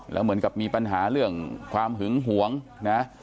แล้วเหมือนกับมีปัญหาเรื่องความหึงหวงนะ